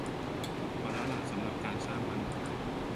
พอแล้วล่ะสำหรับการสร้างมัน